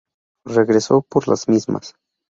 Regreso: por las mismas.